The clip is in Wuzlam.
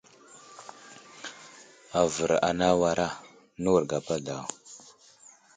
Avər anay awara, newuro gapa daw.